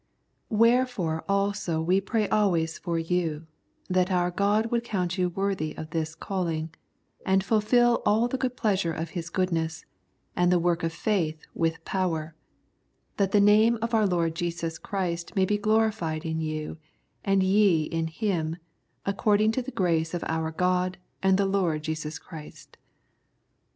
" Wherefore also we pray always for you, that our God would count you worthy of this calling, and fulfil all the good pleasure of His goodness, and the work of faith with power : that the name of our Lord Jesus Christ may be glorified in you, and ye in Him, according to the grace of our God and the Lord Jesus Christ."